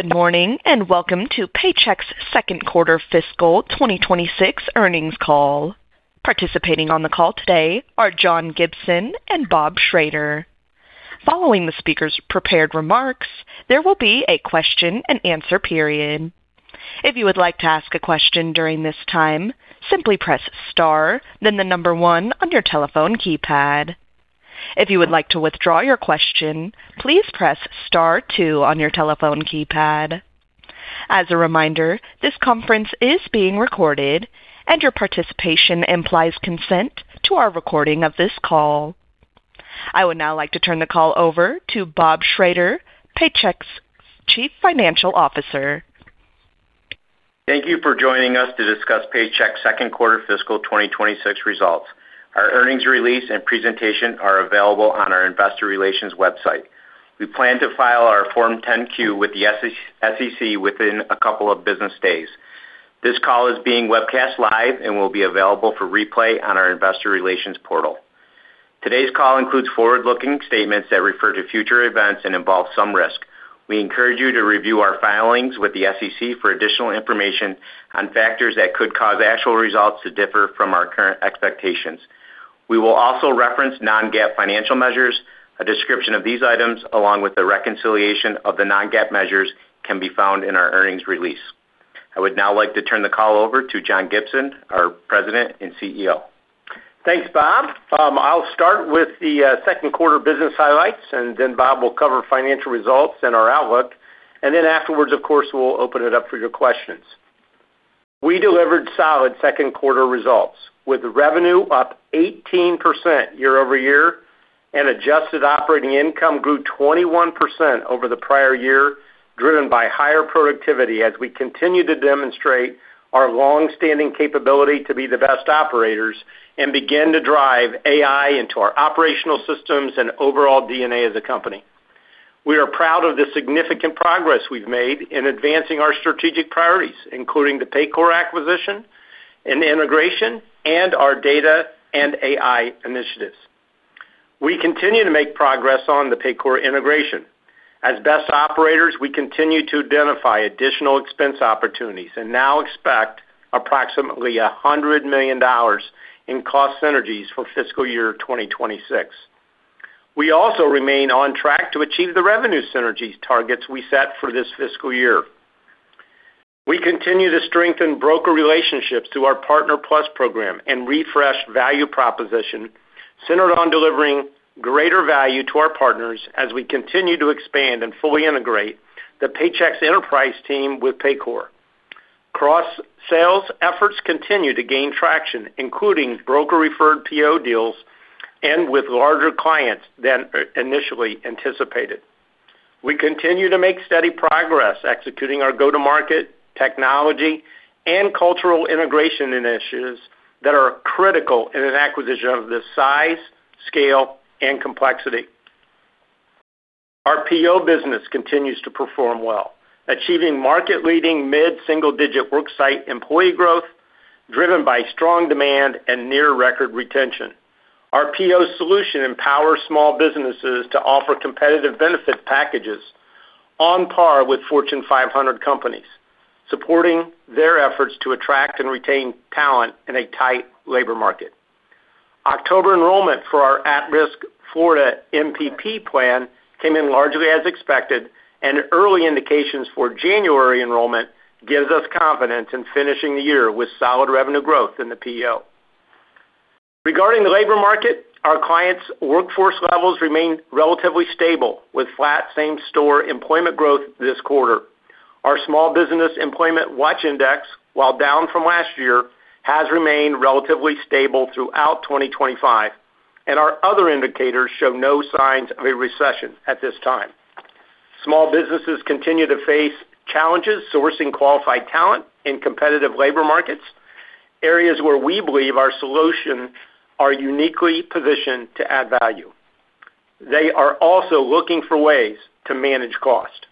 Good morning and welcome to Paychex Second Quarter Fiscal 2026 Earnings Call. Participating on the call today are John Gibson and Bob Schrader. Following the speaker's prepared remarks, there will be a question-and-answer period. If you would like to ask a question during this time, simply press star, then the number one on your telephone keypad. If you would like to withdraw your question, please press star two on your telephone keypad. As a reminder, this conference is being recorded, and your participation implies consent to our recording of this call. I would now like to turn the call over to Bob Schrader, Paychex's Chief Financial Officer. Thank you for joining us to discuss Paychex second quarter fiscal 2026 results. Our earnings release and presentation are available on our investor relations website. We plan to file our Form 10-Q with the SEC within a couple of business days. This call is being webcast live and will be available for replay on our investor relations portal. Today's call includes forward-looking statements that refer to future events and involve some risk. We encourage you to review our filings with the SEC for additional information on factors that could cause actual results to differ from our current expectations. We will also reference non-GAAP financial measures. A description of these items, along with the reconciliation of the non-GAAP measures, can be found in our earnings release. I would now like to turn the call over to John Gibson, our President and CEO. Thanks, Bob. I'll start with the second quarter business highlights, and then Bob will cover financial results and our outlook, and then afterwards, of course, we'll open it up for your questions. We delivered solid second quarter results with revenue up 18% year-over-year, and adjusted operating income grew 21% over the prior year, driven by higher productivity as we continue to demonstrate our long-standing capability to be the best operators and begin to drive AI into our operational systems and overall DNA as a company. We are proud of the significant progress we've made in advancing our strategic priorities, including the Paycor acquisition and integration and our data and AI initiatives. We continue to make progress on the Paycor integration. As best operators, we continue to identify additional expense opportunities and now expect approximately $100 million in cost synergies for fiscal year 2026. We also remain on track to achieve the revenue synergies targets we set for this fiscal year. We continue to strengthen broker relationships through our Partner+ Program and refresh value proposition centered on delivering greater value to our partners as we continue to expand and fully integrate the Paychex enterprise team with Paycor. Cross-sales efforts continue to gain traction, including broker-referred PEO deals and with larger clients than initially anticipated. We continue to make steady progress executing our go-to-market technology and cultural integration initiatives that are critical in an acquisition of this size, scale, and complexity. Our PEO business continues to perform well, achieving market-leading mid-single-digit worksite employee growth driven by strong demand and near-record retention. Our PEO solution empowers small businesses to offer competitive benefit packages on par with Fortune 500 companies, supporting their efforts to attract and retain talent in a tight labor market. October enrollment for our at-risk Florida MPP plan came in largely as expected, and early indications for January enrollment give us confidence in finishing the year with solid revenue growth in the PEO. Regarding the labor market, our clients' workforce levels remain relatively stable with flat same-store employment growth this quarter. Our Small Business Employment Watch index, while down from last year, has remained relatively stable throughout 2025, and our other indicators show no signs of a recession at this time. Small businesses continue to face challenges sourcing qualified talent in competitive labor markets, areas where we believe our solutions are uniquely positioned to add value. They are also looking for ways to manage cost.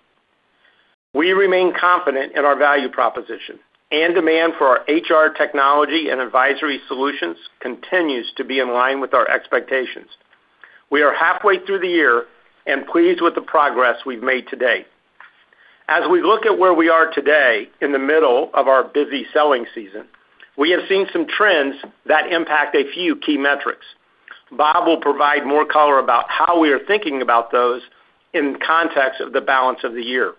We remain confident in our value proposition, and demand for our HR technology and advisory solutions continues to be in line with our expectations. We are halfway through the year and pleased with the progress we've made today. As we look at where we are today in the middle of our busy selling season, we have seen some trends that impact a few key metrics. Bob will provide more color about how we are thinking about those in context of the balance of the year.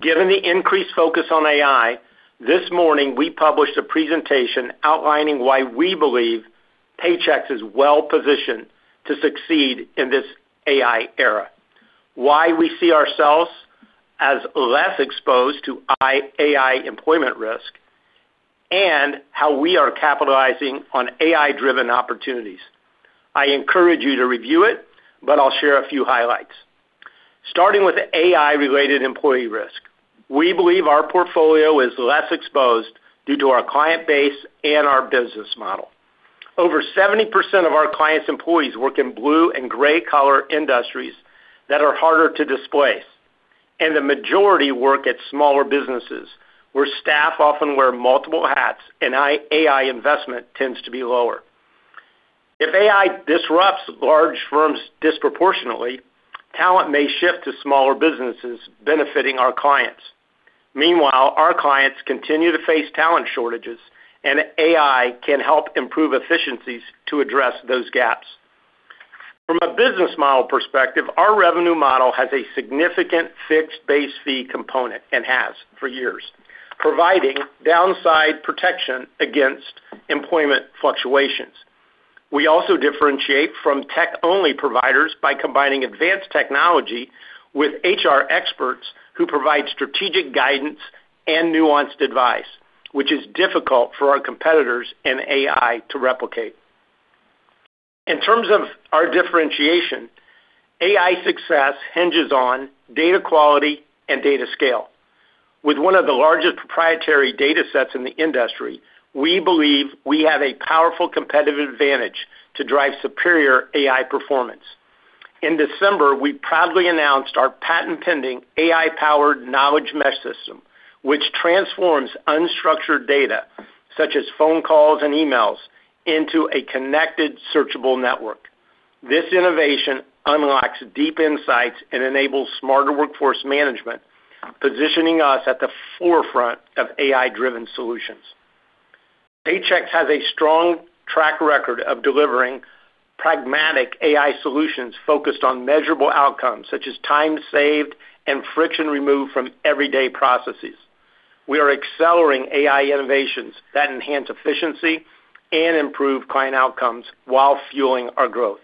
Given the increased focus on AI, this morning we published a presentation outlining why we believe Paychex is well-positioned to succeed in this AI era, why we see ourselves as less exposed to AI employment risk, and how we are capitalizing on AI-driven opportunities. I encourage you to review it, but I'll share a few highlights. Starting with AI-related employee risk, we believe our portfolio is less exposed due to our client base and our business model. Over 70% of our clients' employees work in blue and gray-collar industries that are harder to displace, and the majority work at smaller businesses where staff often wear multiple hats, and AI investment tends to be lower. If AI disrupts large firms disproportionately, talent may shift to smaller businesses benefiting our clients. Meanwhile, our clients continue to face talent shortages, and AI can help improve efficiencies to address those gaps. From a business model perspective, our revenue model has a significant fixed base fee component and has for years, providing downside protection against employment fluctuations. We also differentiate from tech-only providers by combining advanced technology with HR experts who provide strategic guidance and nuanced advice, which is difficult for our competitors in AI to replicate. In terms of our differentiation, AI success hinges on data quality and data scale. With one of the largest proprietary data sets in the industry, we believe we have a powerful competitive advantage to drive superior AI performance. In December, we proudly announced our patent-pending AI-powered Knowledge Mesh system, which transforms unstructured data such as phone calls and emails into a connected searchable network. This innovation unlocks deep insights and enables smarter workforce management, positioning us at the forefront of AI-driven solutions. Paychex has a strong track record of delivering pragmatic AI solutions focused on measurable outcomes such as time saved and friction removed from everyday processes. We are accelerating AI innovations that enhance efficiency and improve client outcomes while fueling our growth.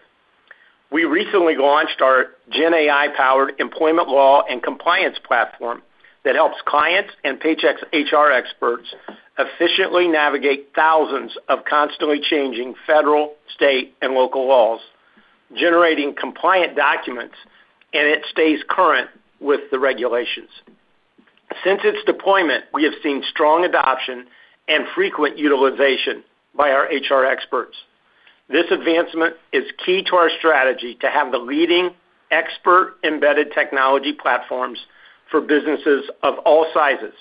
We recently launched our GenAI-powered employment law and compliance platform that helps clients and Paychex HR experts efficiently navigate thousands of constantly changing federal, state, and local laws, generating compliant documents, and it stays current with the regulations. Since its deployment, we have seen strong adoption and frequent utilization by our HR experts. This advancement is key to our strategy to have the leading expert-embedded technology platforms for businesses of all sizes,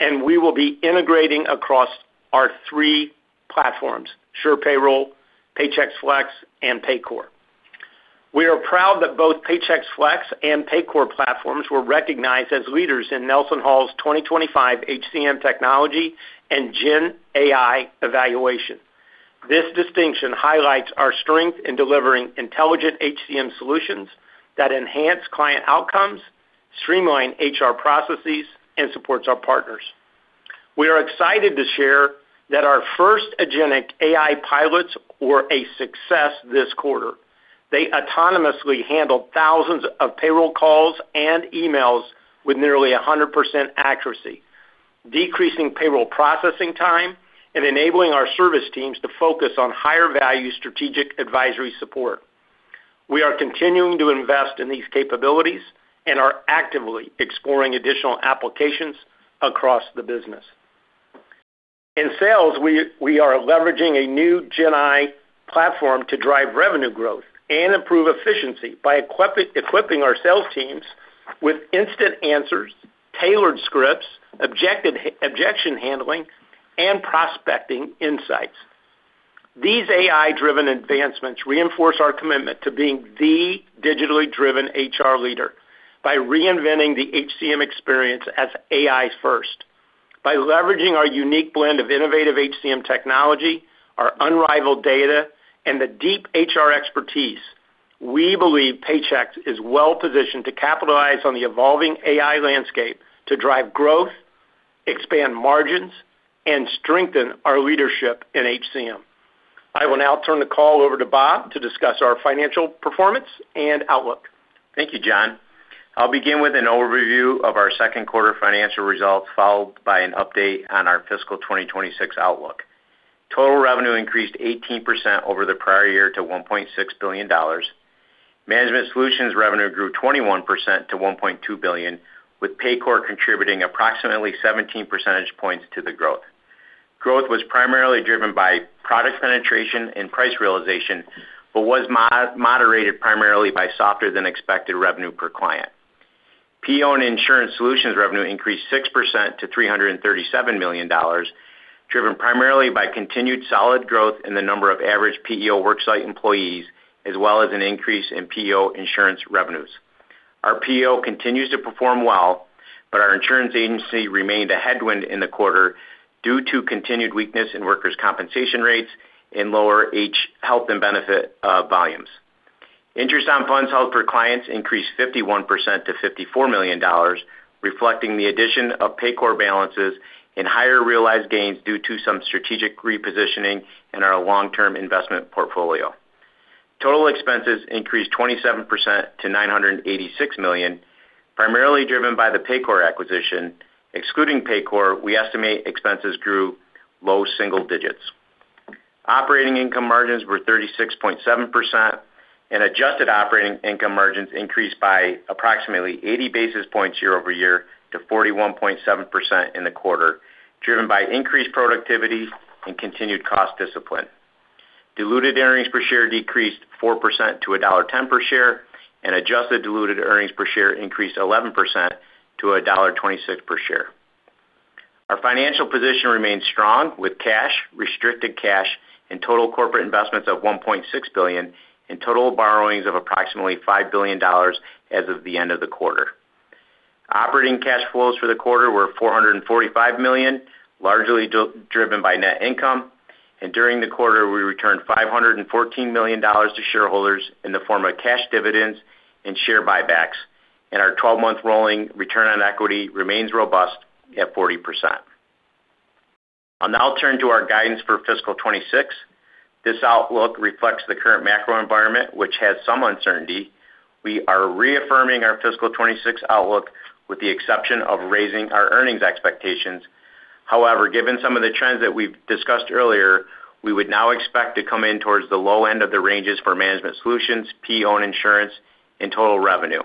and we will be integrating across our three platforms: SurePayroll, Paychex Flex, and Paycor. We are proud that both Paychex Flex and Paycor platforms were recognized as leaders in NelsonHall's 2025 HCM Technology and GenAI evaluation. This distinction highlights our strength in delivering intelligent HCM solutions that enhance client outcomes, streamline HR processes, and support our partners. We are excited to share that our first agentic AI pilots were a success this quarter. They autonomously handled thousands of payroll calls and emails with nearly 100% accuracy, decreasing payroll processing time and enabling our service teams to focus on higher-value strategic advisory support. We are continuing to invest in these capabilities and are actively exploring additional applications across the business. In sales, we are leveraging a new GenAI platform to drive revenue growth and improve efficiency by equipping our sales teams with instant answers, tailored scripts, objection handling, and prospecting insights. These AI-driven advancements reinforce our commitment to being the digitally driven HR leader by reinventing the HCM experience as AI-first. By leveraging our unique blend of innovative HCM technology, our unrivaled data, and the deep HR expertise, we believe Paychex is well-positioned to capitalize on the evolving AI landscape to drive growth, expand margins, and strengthen our leadership in HCM. I will now turn the call over to Bob to discuss our financial performance and outlook. Thank you, John. I'll begin with an overview of our second quarter financial results, followed by an update on our fiscal 2026 outlook. Total revenue increased 18% over the prior year to $1.6 billion. Management Solutions revenue grew 21% to $1.2 billion, with Paycor contributing approximately 17 percentage points to the growth. Growth was primarily driven by product penetration and price realization, but was moderated primarily by softer-than-expected revenue per client. PEO and Insurance Solutions revenue increased 6% to $337 million, driven primarily by continued solid growth in the number of average PEO worksite employees, as well as an increase in PEO insurance revenues. Our PEO continues to perform well, but our Insurance Agency remained a headwind in the quarter due to continued weakness in workers' compensation rates and lower health and benefit volumes. Interest on funds held for clients increased 51% to $54 million, reflecting the addition of Paycor balances and higher realized gains due to some strategic repositioning in our long-term investment portfolio. Total expenses increased 27% to $986 million, primarily driven by the Paycor acquisition. Excluding Paycor, we estimate expenses grew low single digits. Operating income margins were 36.7%, and adjusted operating income margins increased by approximately 80 basis points year-over-year to 41.7% in the quarter, driven by increased productivity and continued cost discipline. Diluted earnings per share decreased 4% to $1.10 per share, and adjusted diluted earnings per share increased 11% to $1.26 per share. Our financial position remained strong with cash, restricted cash, and total corporate investments of $1.6 billion, and total borrowings of approximately $5 billion as of the end of the quarter. Operating cash flows for the quarter were $445 million, largely driven by net income, and during the quarter, we returned $514 million to shareholders in the form of cash dividends and share buybacks, and our 12-month rolling return on equity remains robust at 40%. I'll now turn to our guidance for fiscal 2026. This outlook reflects the current macro environment, which has some uncertainty. We are reaffirming our fiscal 2026 outlook with the exception of raising our earnings expectations. However, given some of the trends that we've discussed earlier, we would now expect to come in towards the low end of the ranges for Management Solutions, PEO, and Insurance in total revenue.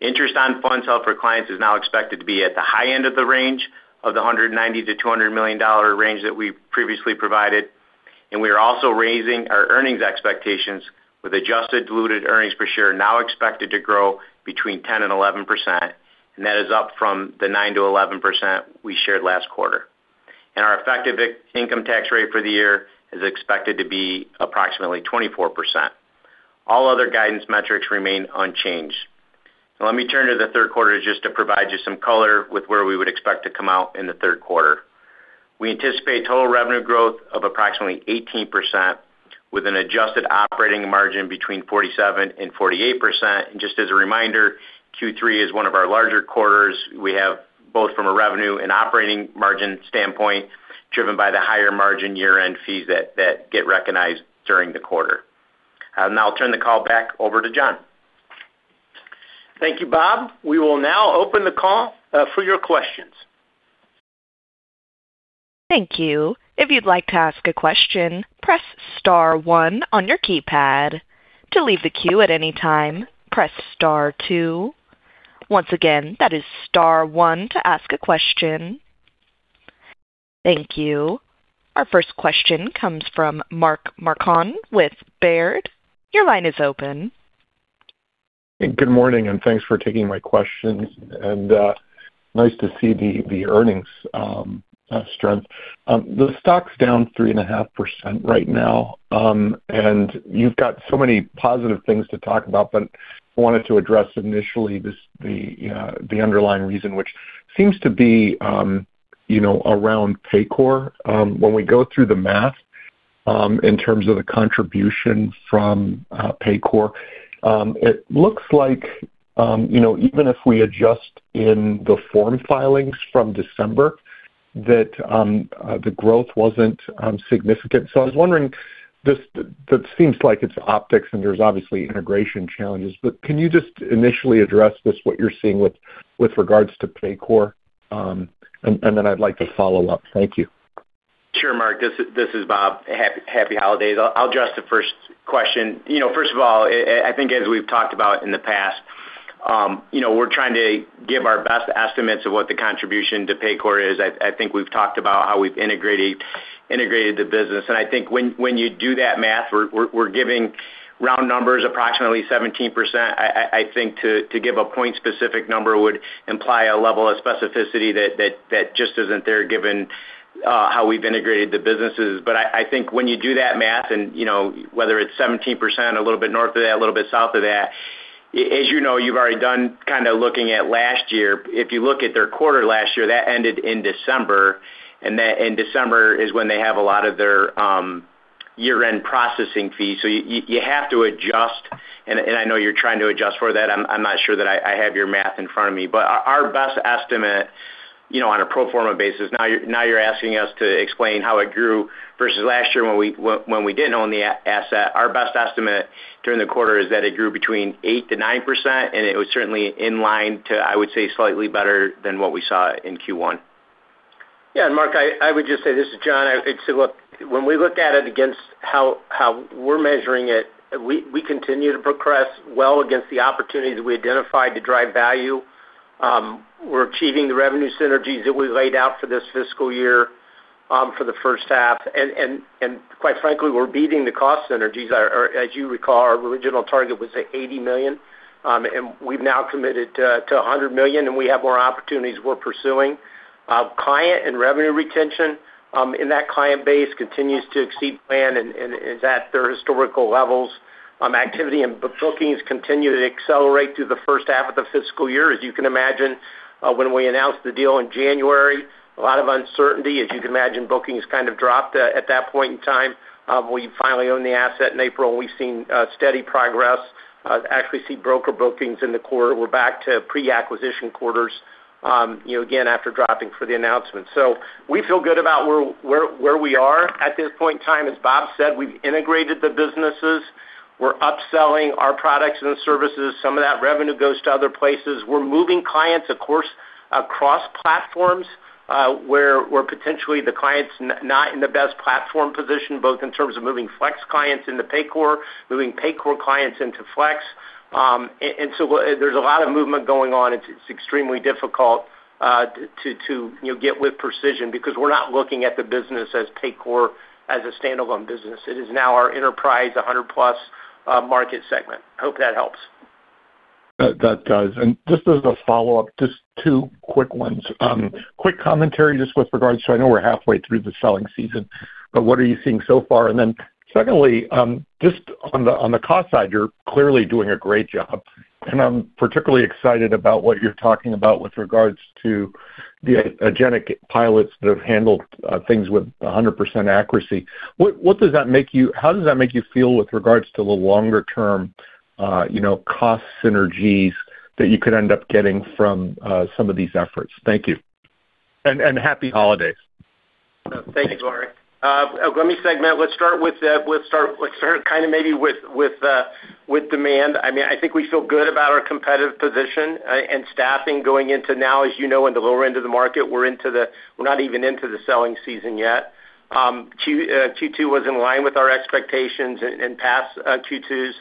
Interest on funds held for clients is now expected to be at the high end of the range of the $190-$200 million range that we previously provided, and we are also raising our earnings expectations with adjusted diluted earnings per share now expected to grow between 10% and 11%, and that is up from the 9%-11% we shared last quarter. Our effective income tax rate for the year is expected to be approximately 24%. All other guidance metrics remain unchanged. Let me turn to the third quarter just to provide you some color with where we would expect to come out in the third quarter. We anticipate total revenue growth of approximately 18%, with an adjusted operating margin between 47% and 48%. Just as a reminder, Q3 is one of our larger quarters. We have both from a revenue and operating margin standpoint, driven by the higher margin year-end fees that get recognized during the quarter. Now I'll turn the call back over to John. Thank you, Bob. We will now open the call for your questions. Thank you. If you'd like to ask a question, press star one on your keypad. To leave the queue at any time, press star two. Once again, that is star one to ask a question. Thank you. Our first question comes from Mark Marcon with Baird. Your line is open. Good morning, and thanks for taking my questions. And nice to see the earnings strength. The stock's down 3.5% right now, and you've got so many positive things to talk about, but I wanted to address initially the underlying reason, which seems to be around Paycor. When we go through the math in terms of the contribution from Paycor, it looks like even if we adjust in the form filings from December, that the growth wasn't significant. So I was wondering, that seems like it's optics, and there's obviously integration challenges, but can you just initially address this, what you're seeing with regards to Paycor, and then I'd like to follow up? Thank you. Sure, Mark. This is Bob. Happy holidays. I'll address the first question. First of all, I think as we've talked about in the past, we're trying to give our best estimates of what the contribution to Paycor is. I think we've talked about how we've integrated the business, and I think when you do that math, we're giving round numbers, approximately 17%. I think to give a point-specific number would imply a level of specificity that just isn't there given how we've integrated the businesses, but I think when you do that math, and whether it's 17%, a little bit north of that, a little bit south of that, as you know, you've already done kind of looking at last year. If you look at their quarter last year, that ended in December, and December is when they have a lot of their year-end processing fees. So you have to adjust, and I know you're trying to adjust for that. I'm not sure that I have your math in front of me, but our best estimate on a pro forma basis, now you're asking us to explain how it grew versus last year when we didn't own the asset. Our best estimate during the quarter is that it grew between 8% to 9%, and it was certainly in line to, I would say, slightly better than what we saw in Q1. Yeah. And Mark, I would just say this is John. When we look at it against how we're measuring it, we continue to progress well against the opportunities we identified to drive value. We're achieving the revenue synergies that we laid out for this fiscal year for the first half, and quite frankly, we're beating the cost synergies. As you recall, our original target was $80 million, and we've now committed to $100 million, and we have more opportunities we're pursuing. Client and revenue retention in that client base continues to exceed plan and is at their historical levels. Activity and bookings continue to accelerate through the first half of the fiscal year. As you can imagine, when we announced the deal in January, a lot of uncertainty. As you can imagine, bookings kind of dropped at that point in time. We finally owned the asset in April, and we've seen steady progress. Actually, we see broker bookings in the quarter. We're back to pre-acquisition quarters, again, after dropping for the announcement. So we feel good about where we are at this point in time. As Bob said, we've integrated the businesses. We're upselling our products and services. Some of that revenue goes to other places. We're moving clients, of course, across platforms where potentially the client's not in the best platform position, both in terms of moving Flex clients into Paycor, moving Paycor clients into Flex, and so there's a lot of movement going on. It's extremely difficult to get with precision because we're not looking at the business as Paycor as a standalone business. It is now our enterprise, 100-plus market segment. I hope that helps. That does. And just as a follow-up, just two quick ones. Quick commentary just with regards to I know we're halfway through the selling season, but what are you seeing so far? And then secondly, just on the cost side, you're clearly doing a great job, and I'm particularly excited about what you're talking about with regards to the agentic pilots that have handled things with 100% accuracy. What does that make you? How does that make you feel with regards to the longer-term cost synergies that you could end up getting from some of these efforts? Thank you. And happy holidays. Thank you, Mark. Let me segment. Let's start kind of maybe with demand. I mean, I think we feel good about our competitive position and staffing going into now, as you know, in the lower end of the market. We're not even into the selling season yet. Q2 was in line with our expectations and past Q2s.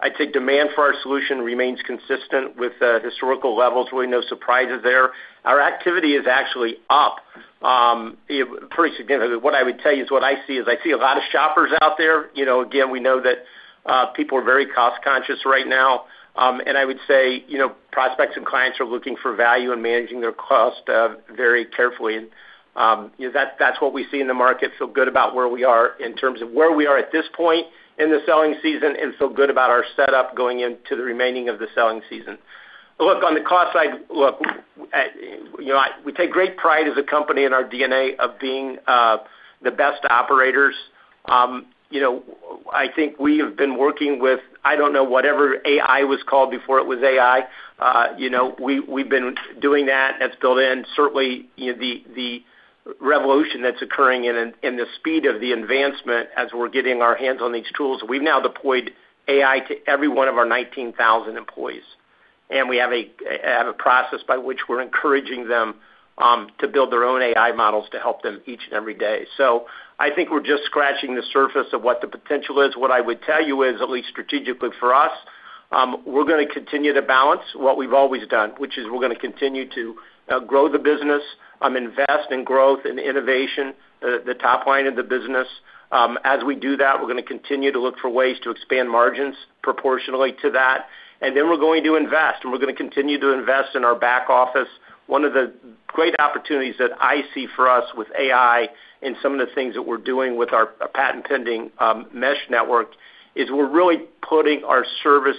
I'd say demand for our solution remains consistent with historical levels. Really no surprises there. Our activity is actually up pretty significantly. What I would tell you is what I see is I see a lot of shoppers out there. Again, we know that people are very cost-conscious right now, and I would say prospects and clients are looking for value and managing their cost very carefully. That's what we see in the market. Feel good about where we are in terms of where we are at this point in the selling season and feel good about our setup going into the remaining of the selling season. Look, on the cost side, look, we take great pride as a company in our DNA of being the best operators. I think we have been working with, I don't know, whatever AI was called before it was AI. We've been doing that. That's built in. Certainly, the revolution that's occurring and the speed of the advancement as we're getting our hands on these tools, we've now deployed AI to every one of our 19,000 employees, and we have a process by which we're encouraging them to build their own AI models to help them each and every day. So I think we're just scratching the surface of what the potential is. What I would tell you is, at least strategically for us, we're going to continue to balance what we've always done, which is we're going to continue to grow the business, invest in growth and innovation, the top line of the business. As we do that, we're going to continue to look for ways to expand margins proportionally to that, and then we're going to invest, and we're going to continue to invest in our back office. One of the great opportunities that I see for us with AI and some of the things that we're doing with our patent-pending mesh network is we're really putting our service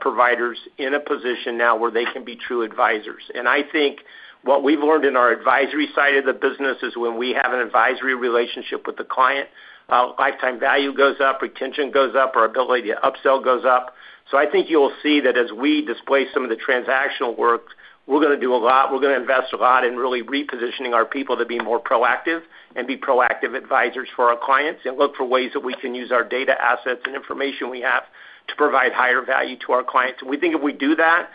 providers in a position now where they can be true advisors. And I think what we've learned in our advisory side of the business is when we have an advisory relationship with the client, lifetime value goes up, retention goes up, our ability to upsell goes up. So I think you'll see that as we display some of the transactional work, we're going to do a lot. We're going to invest a lot in really repositioning our people to be more proactive and be proactive advisors for our clients and look for ways that we can use our data assets and information we have to provide higher value to our clients. We think if we do that,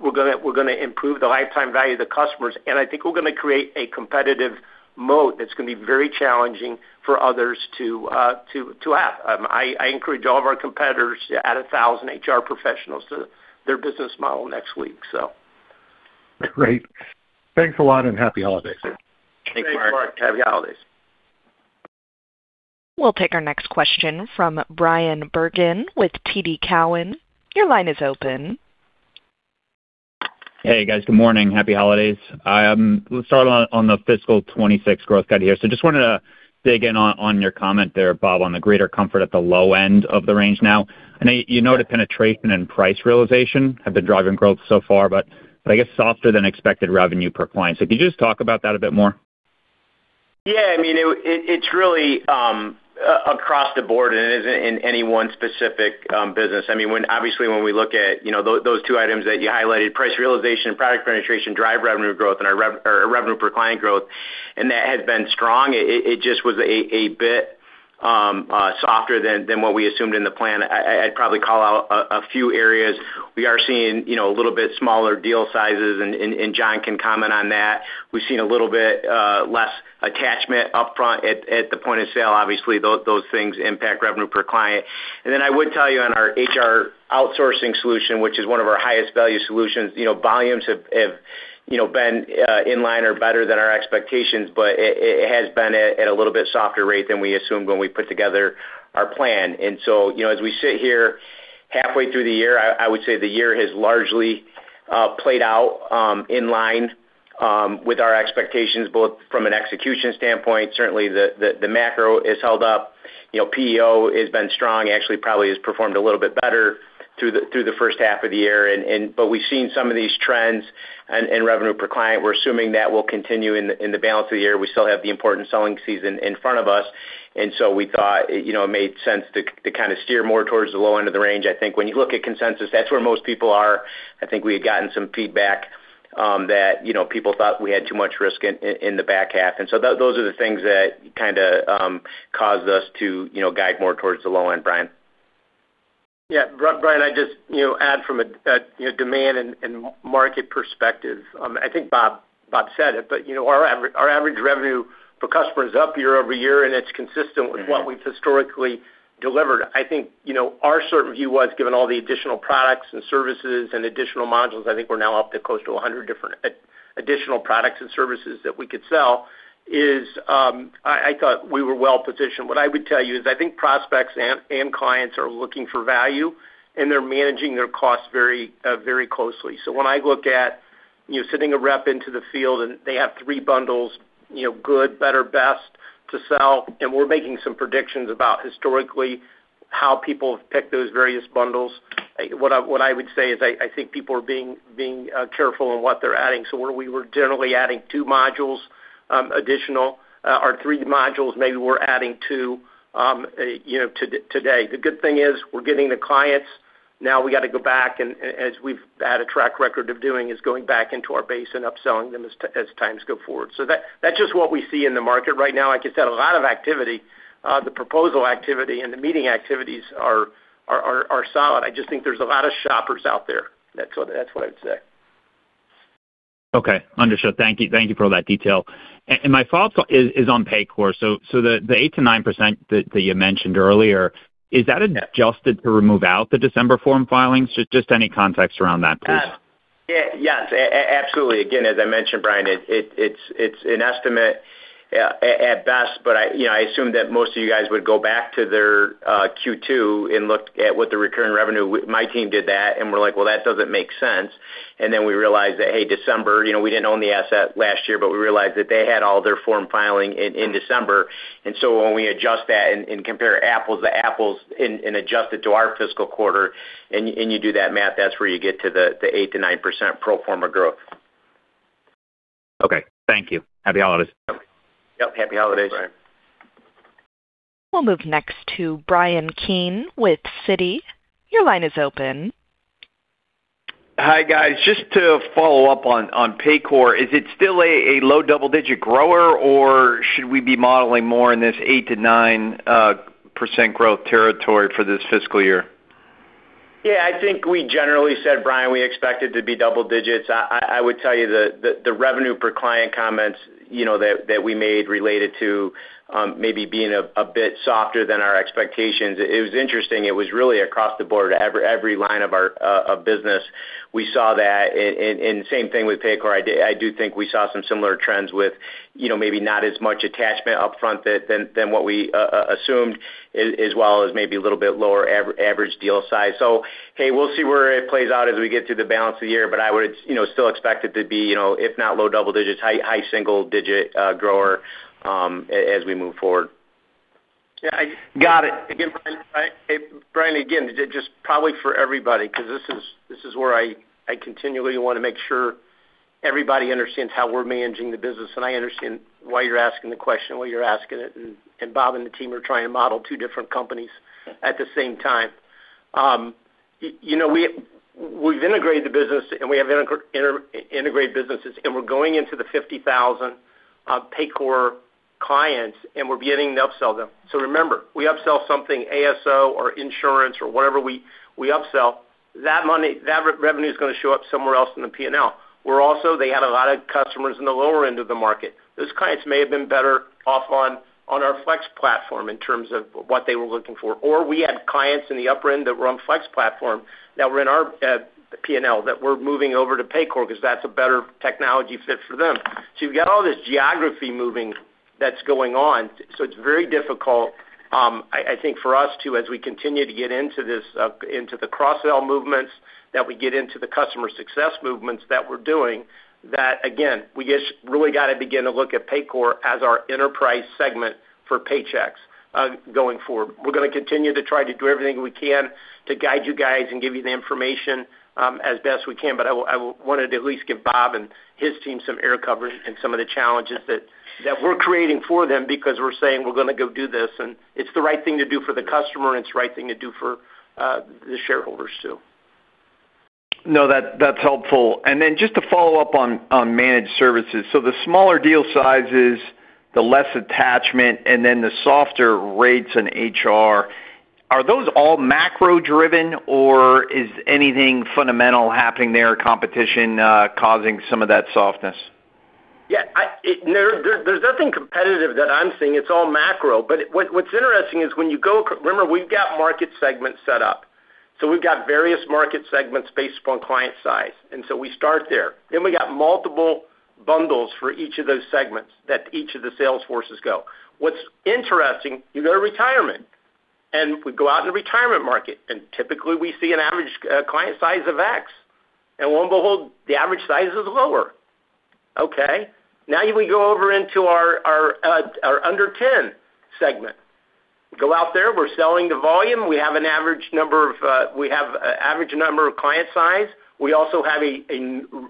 we're going to improve the lifetime value of the customers, and I think we're going to create a competitive moat that's going to be very challenging for others to have. I encourage all of our competitors to add 1,000 HR professionals to their business model next week, so. Great. Thanks a lot and happy holidays. Thanks, Mark. Happy holidays. We'll take our next question from Bryan Bergin with TD Cowen. Your line is open. Hey, guys. Good morning. Happy holidays. Let's start on the fiscal 2026 growth guide here. So just wanted to dig in on your comment there, Bob, on the greater comfort at the low end of the range now. I know penetration and price realization have been driving growth so far, but I guess softer than expected revenue per client. So could you just talk about that a bit more? Yeah. I mean, it's really across the board, and it isn't in any one specific business. I mean, obviously, when we look at those two items that you highlighted, price realization and product penetration, drive revenue growth and revenue per client growth, and that has been strong. It just was a bit softer than what we assumed in the plan. I'd probably call out a few areas. We are seeing a little bit smaller deal sizes, and John can comment on that. We've seen a little bit less attachment upfront at the point of sale. Obviously, those things impact revenue per client. And then I would tell you on our HR outsourcing solution, which is one of our highest value solutions, volumes have been in line or better than our expectations, but it has been at a little bit softer rate than we assumed when we put together our plan. And so as we sit here halfway through the year, I would say the year has largely played out in line with our expectations, both from an execution standpoint. Certainly, the macro has held up. PEO has been strong. Actually, probably has performed a little bit better through the first half of the year. But we've seen some of these trends in revenue per client. We're assuming that will continue in the balance of the year. We still have the important selling season in front of us, and so we thought it made sense to kind of steer more towards the low end of the range. I think when you look at consensus, that's where most people are. I think we had gotten some feedback that people thought we had too much risk in the back half. And so those are the things that kind of caused us to guide more towards the low end, Bryan. Yeah. Bryan, I'd just add from a demand and market perspective. I think Bob said it, but our average revenue per customer is up year-over-year, and it's consistent with what we've historically delivered. I think our certain view was, given all the additional products and services and additional modules. I think we're now up to close to 100 different additional products and services that we could sell. I thought we were well positioned. What I would tell you is I think prospects and clients are looking for value, and they're managing their costs very closely. So when I look at sending a rep into the field and they have three bundles: good, better, best to sell, and we're making some predictions about historically how people have picked those various bundles. What I would say is I think people are being careful in what they're adding. So we were generally adding two modules additional. Our three modules, maybe we're adding two today. The good thing is we're getting the clients. Now we got to go back, and as we've had a track record of doing, is going back into our base and upselling them as times go forward. So that's just what we see in the market right now. Like I said, a lot of activity. The proposal activity and the meeting activities are solid. I just think there's a lot of shoppers out there. That's what I would say. Okay. Understood. Thank you for all that detail. My follow-up is on Paycor. The 8%-9% that you mentioned earlier, is that adjusted to remove out the December Form 10-Q filings? Just any context around that, please. Yeah. Absolutely. Again, as I mentioned, Bryan, it's an estimate at best, but I assume that most of you guys would go back to their Q2 and look at what the recurring revenue my team did that, and we're like, "Well, that doesn't make sense." And then we realized that, hey, December, we didn't own the asset last year, but we realized that they had all their form filing in December. And so when we adjust that and compare apples to apples and adjust it to our fiscal quarter, and you do that math, that's where you get to the 8%-9% pro forma growth. Okay. Thank you. Happy holidays. Yep. Happy holidays. We'll move next to Bryan Keane with Citi. Your line is open. Hi, guys. Just to follow up on Paycor, is it still a low double-digit grower, or should we be modeling more in this 8%-9% growth territory for this fiscal year? Yeah. I think we generally said, Bryan, we expected to be double digits. I would tell you the revenue per client comments that we made related to maybe being a bit softer than our expectations. It was interesting. It was really across the board to every line of our business. We saw that. And same thing with Paycor. I do think we saw some similar trends with maybe not as much attachment upfront than what we assumed, as well as maybe a little bit lower average deal size. So, hey, we'll see where it plays out as we get through the balance of the year, but I would still expect it to be, if not low double digits, high single-digit growth as we move forward. Yeah. Got it. Again, Bryan, again, just probably for everybody because this is where I continually want to make sure everybody understands how we're managing the business, and I understand why you're asking the question, why you're asking it, and Bob and the team are trying to model two different companies at the same time. We've integrated the business, and we have integrated businesses, and we're going into the 50,000 Paycor clients, and we're beginning to upsell them. So remember, we upsell something, ASO or insurance or whatever we upsell. That revenue is going to show up somewhere else in the P&L. We're also, they had a lot of customers in the lower end of the market. Those clients may have been better off on our Flex platform in terms of what they were looking for, or we had clients in the upper end that were on Flex platform that were in our P&L that we're moving over to Paycor because that's a better technology fit for them. So you've got all this geography moving that's going on. So it's very difficult, I think, for us to, as we continue to get into the cross-sell movements, that we get into the customer success movements that we're doing, that, again, we just really got to begin to look at Paycor as our enterprise segment for Paychex going forward. We're going to continue to try to do everything we can to guide you guys and give you the information as best we can, but I wanted to at least give Bob and his team some air coverage and some of the challenges that we're creating for them because we're saying we're going to go do this, and it's the right thing to do for the customer, and it's the right thing to do for the shareholders too. No, that's helpful. And then just to follow up on managed services. So the smaller deal sizes, the less attachment, and then the softer rates in HR, are those all macro-driven, or is anything fundamental happening there, competition causing some of that softness? Yeah. There's nothing competitive that I'm seeing. It's all macro, but what's interesting is when you go remember, we've got market segments set up. So we've got various market segments based upon client size. And so we start there. Then we got multiple bundles for each of those segments that each of the sales forces go. What's interesting, you go to retirement, and we go out in the retirement market, and typically we see an average client size of X. And lo and behold, the average size is lower. Okay. Now we go over into our under 10 segment. Go out there. We're selling the volume. We have an average number of client size. We also have a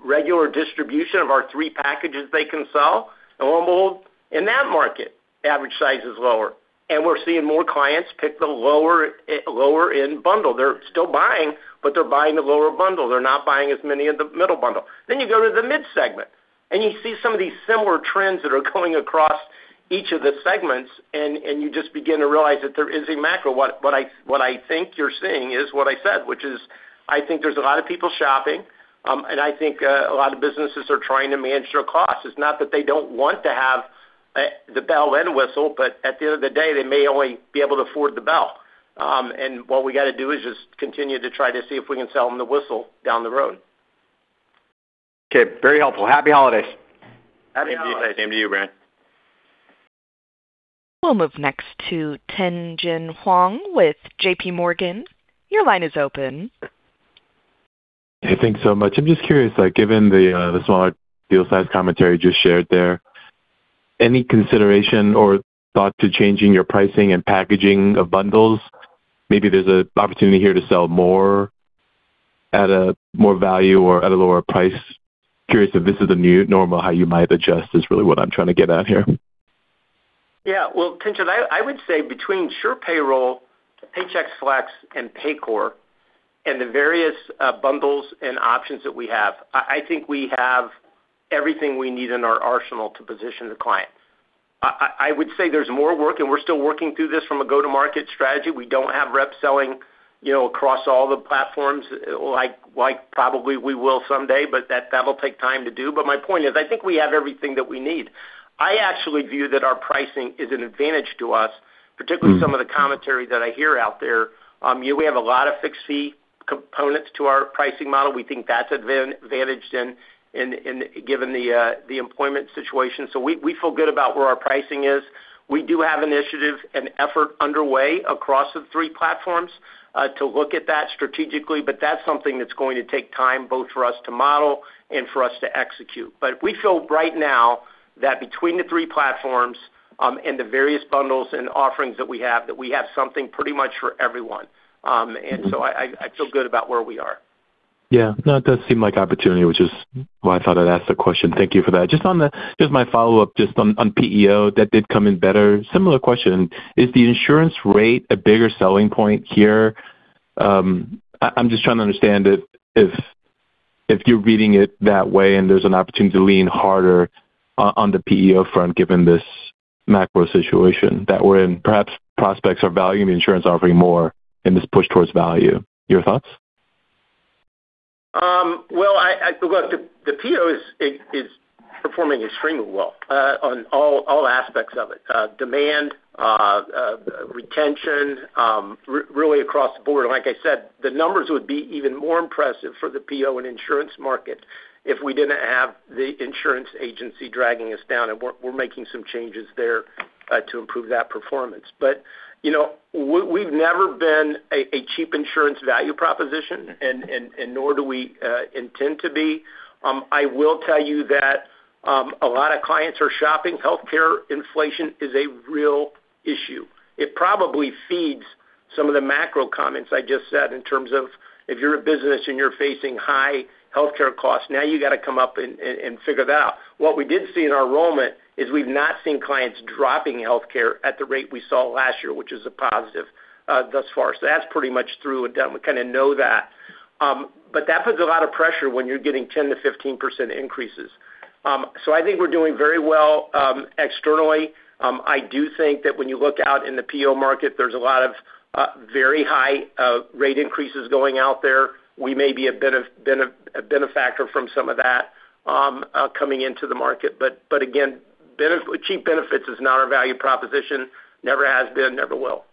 regular distribution of our three packages they can sell. And lo and behold, in that market, average size is lower. And we're seeing more clients pick the lower-in bundle. They're still buying, but they're buying the lower bundle. They're not buying as many of the middle bundle. Then you go to the mid-segment, and you see some of these similar trends that are going across each of the segments, and you just begin to realize that there is a macro. What I think you're seeing is what I said, which is I think there's a lot of people shopping, and I think a lot of businesses are trying to manage their costs. It's not that they don't want to have the bell and whistle, but at the end of the day, they may only be able to afford the bell. And what we got to do is just continue to try to see if we can sell them the whistle down the road. Okay. Very helpful. Happy holidays. Happy holidays. Same to you, Bryan. We'll move next to Tien-tsin Huang with JPMorgan. Your line is open. Hey, thanks so much. I'm just curious, given the smaller deal size commentary you just shared there, any consideration or thought to changing your pricing and packaging of bundles? Maybe there's an opportunity here to sell more at a more value or at a lower price. Curious if this is a new norm or how you might adjust is really what I'm trying to get at here. Yeah. Well, Tien-tsin, I would say between SurePayroll, Paychex Flex, and Paycor, and the various bundles and options that we have, I think we have everything we need in our arsenal to position the client. I would say there's more work, and we're still working through this from a go-to-market strategy. We don't have reps selling across all the platforms like probably we will someday, but that'll take time to do. But my point is I think we have everything that we need. I actually view that our pricing is an advantage to us, particularly some of the commentary that I hear out there. We have a lot of fixed fee components to our pricing model. We think that's advantaged in given the employment situation. So we feel good about where our pricing is. We do have initiative and effort underway across the three platforms to look at that strategically, but that's something that's going to take time both for us to model and for us to execute, but we feel right now that between the three platforms and the various bundles and offerings that we have, that we have something pretty much for everyone, and so I feel good about where we are. Yeah. No, it does seem like opportunity, which is why I thought I'd ask the question. Thank you for that. Just my follow-up just on PEO that did come in better. Similar question. Is the insurance rate a bigger selling point here? I'm just trying to understand if you're reading it that way and there's an opportunity to lean harder on the PEO front given this macro situation that we're in. Perhaps prospects are valuing the insurance offering more in this push towards value. Your thoughts? Look, the PEO is performing extremely well on all aspects of it: demand, retention, really across the board. Like I said, the numbers would be even more impressive for the PEO and Insurance market if we didn't have the Insurance Agency dragging us down, and we're making some changes there to improve that performance. We've never been a cheap insurance value proposition, and nor do we intend to be. I will tell you that a lot of clients are shopping. Healthcare inflation is a real issue. It probably feeds some of the macro comments I just said in terms of if you're a business and you're facing high healthcare costs, now you got to come up and figure that out. What we did see in our enrollment is we've not seen clients dropping healthcare at the rate we saw last year, which is a positive thus far. So that's pretty much through and done. We kind of know that. But that puts a lot of pressure when you're getting 10% to 15% increases. So I think we're doing very well externally. I do think that when you look out in the PEO market, there's a lot of very high rate increases going out there. We may be a benefactor from some of that coming into the market. But again, cheap benefits is not our value proposition, never has been, never will.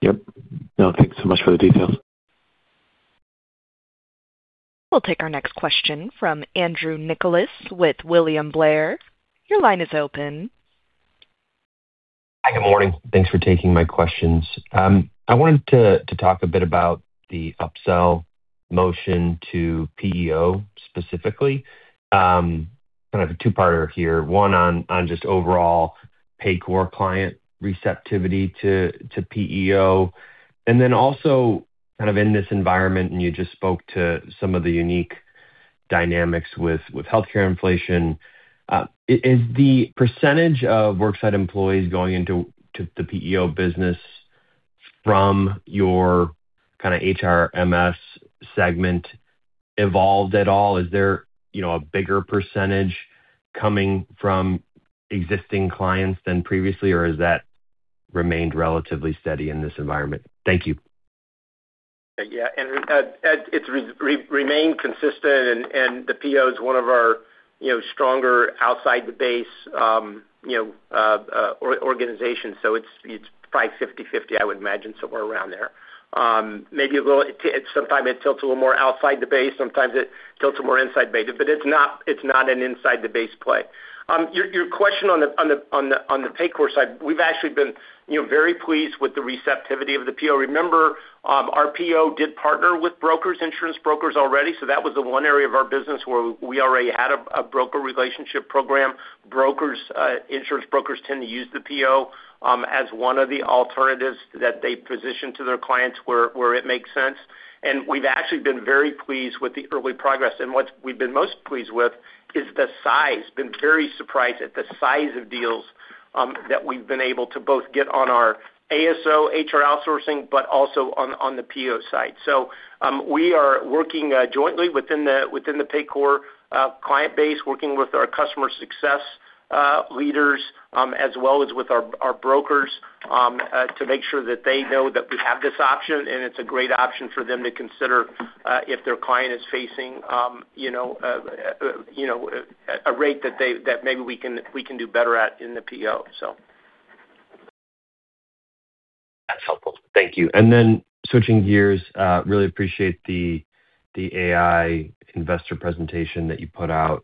Yep. No, thanks so much for the details. We'll take our next question from Andrew Nicholas with William Blair. Your line is open. Hi, good morning. Thanks for taking my questions. I wanted to talk a bit about the upsell motion to PEO specifically. Kind of a two-parter here. One on just overall Paycor client receptivity to PEO. And then also kind of in this environment, and you just spoke to some of the unique dynamics with healthcare inflation, is the percentage of worksite employees going into the PEO business from your kind of HRMS segment evolved at all? Is there a bigger percentage coming from existing clients than previously, or has that remained relatively steady in this environment? Thank you. Yeah. It's remained consistent, and the PEO is one of our stronger outside-the-base organizations. So it's probably 50/50, I would imagine, somewhere around there. Maybe sometimes it tilts a little more outside-the-base. Sometimes it tilts a little more inside-based, but it's not an inside-the-base play. Your question on the Paycor side, we've actually been very pleased with the receptivity of the PEO. Remember, our PEO did partner with brokers, insurance brokers already. So that was the one area of our business where we already had a broker relationship program. Insurance brokers tend to use the PEO as one of the alternatives that they position to their clients where it makes sense. And we've actually been very pleased with the early progress. And what we've been most pleased with is the size. Been very surprised at the size of deals that we've been able to both get on our ASO, HR outsourcing, but also on the PEO side. So we are working jointly within the Paycor client base, working with our customer success leaders as well as with our brokers to make sure that they know that we have this option, and it's a great option for them to consider if their client is facing a rate that maybe we can do better at in the PEO, so. That's helpful. Thank you. And then switching gears, really appreciate the AI investor presentation that you put out,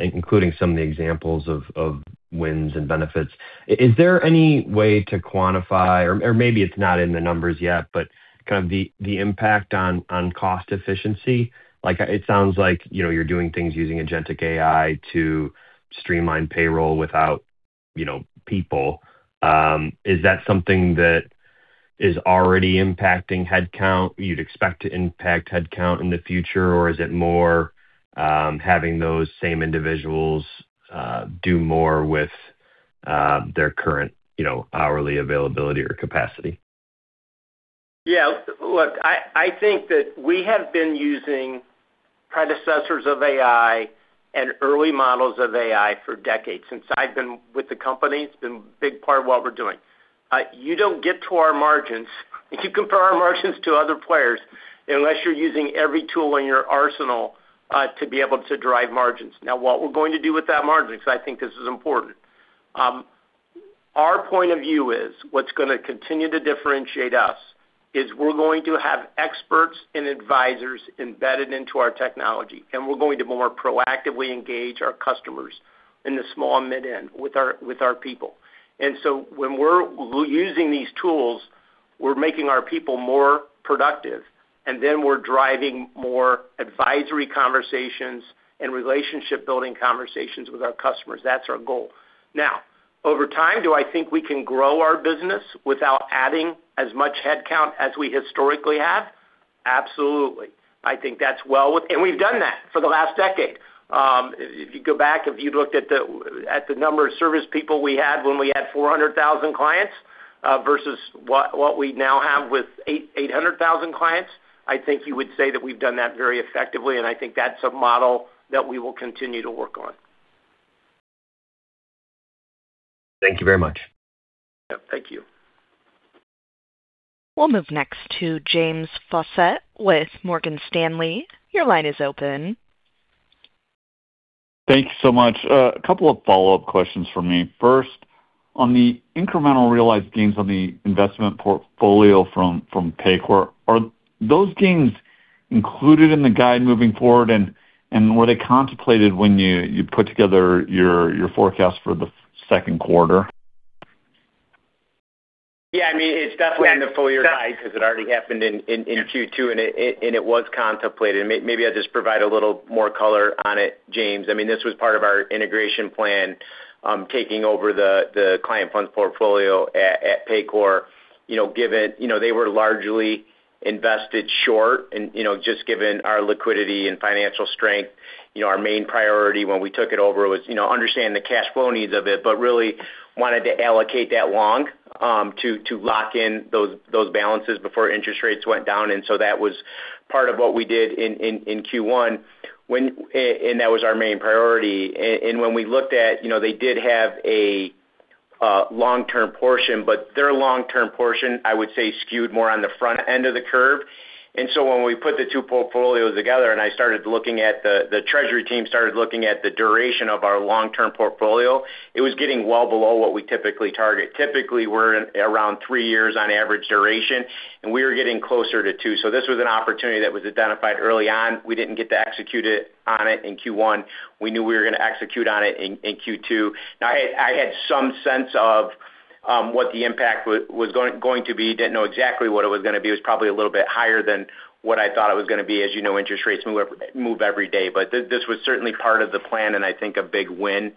including some of the examples of wins and benefits. Is there any way to quantify, or maybe it's not in the numbers yet, but kind of the impact on cost efficiency? It sounds like you're doing things using agentic AI to streamline payroll without people. Is that something that is already impacting headcount? You'd expect to impact headcount in the future, or is it more having those same individuals do more with their current hourly availability or capacity? Yeah. Look, I think that we have been using predecessors of AI and early models of AI for decades. Since I've been with the company, it's been a big part of what we're doing. You don't get to our margins. You compare our margins to other players unless you're using every tool in your arsenal to be able to drive margins. Now, what we're going to do with that margin, because I think this is important, our point of view is what's going to continue to differentiate us is we're going to have experts and advisors embedded into our technology, and we're going to more proactively engage our customers in the small and mid-end with our people, and so when we're using these tools, we're making our people more productive, and then we're driving more advisory conversations and relationship-building conversations with our customers. That's our goal. Now, over time, do I think we can grow our business without adding as much headcount as we historically have? Absolutely. I think that's well within, and we've done that for the last decade. If you go back, if you looked at the number of service people we had when we had 400,000 clients versus what we now have with 800,000 clients, I think you would say that we've done that very effectively, and I think that's a model that we will continue to work on. Thank you very much. Yep. Thank you. We'll move next to James Faucette with Morgan Stanley. Your line is open. Thank you so much. A couple of follow-up questions for me. First, on the incremental realized gains on the investment portfolio from Paycor, are those gains included in the guide moving forward, and were they contemplated when you put together your forecast for the second quarter? Yeah. I mean, it's definitely in the full year guide because it already happened in Q2, and it was contemplated. Maybe I'll just provide a little more color on it, James. I mean, this was part of our integration plan taking over the client funds portfolio at Paycor, given they were largely invested short, and just given our liquidity and financial strength, our main priority when we took it over was understanding the cash flow needs of it, but really wanted to allocate that long to lock in those balances before interest rates went down. And so that was part of what we did in Q1, and that was our main priority. And when we looked at they did have a long-term portion, but their long-term portion, I would say, skewed more on the front end of the curve. When we put the two portfolios together, and the treasury team started looking at the duration of our long-term portfolio, it was getting well below what we typically target. Typically, we're around three years on average duration, and we were getting closer to two. This was an opportunity that was identified early on. We didn't get to execute on it in Q1. We knew we were going to execute on it in Q2. Now, I had some sense of what the impact was going to be. Didn't know exactly what it was going to be. It was probably a little bit higher than what I thought it was going to be. As you know, interest rates move every day, but this was certainly part of the plan and I think a big win